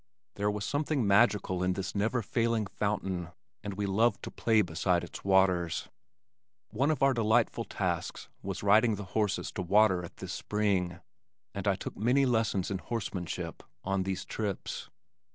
There was something magical in this never failing fountain, and we loved to play beside its waters. One of our delightful tasks was riding the horses to water at this spring, and I took many lessons in horsemanship on these trips.